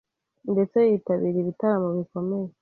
ndetse yitabira ibitaramo bikomeye